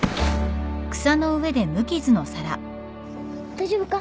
大丈夫か？